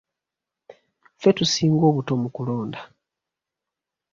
Ffe tusinga obuto mu kulonda.